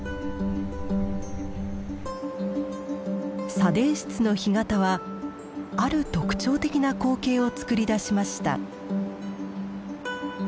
砂泥質の干潟はある特徴的な光景をつくり出しました。